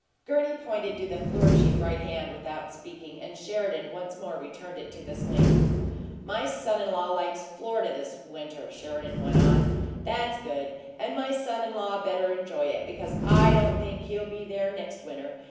Gurney pointed to the flourishing right hand without speaking, and Sheridan once more returned it to the sling. "My son in law likes Florida this winter," Sheridan went on. "That's good, and my son in law better enjoy it, because I don't think he'll be there next winter.